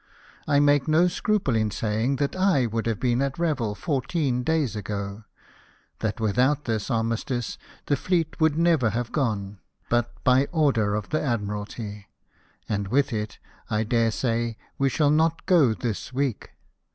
I make no scruple in saying that I would have been at Revel fourteen days ago ! that without this armistice the fleet would never have gone, but by order of the Admiralty, and with it, I dare say, we shall not go this week.